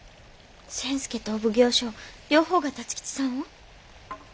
千助とお奉行所両方が辰吉さんを？